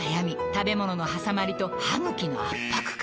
食べ物のはさまりと歯ぐきの圧迫感